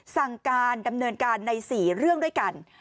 สั่งการดำเนินการใน๔เรื่องด้วยกัน